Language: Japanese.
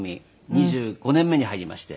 ２５年目に入りまして。